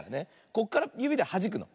こっからゆびではじくの。